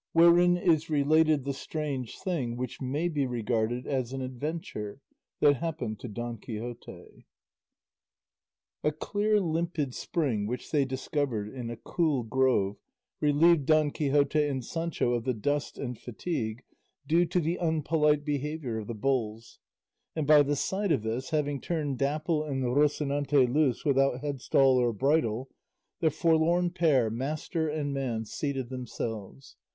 WHEREIN IS RELATED THE STRANGE THING, WHICH MAY BE REGARDED AS AN ADVENTURE, THAT HAPPENED DON QUIXOTE A clear limpid spring which they discovered in a cool grove relieved Don Quixote and Sancho of the dust and fatigue due to the unpolite behaviour of the bulls, and by the side of this, having turned Dapple and Rocinante loose without headstall or bridle, the forlorn pair, master and man, seated themselves.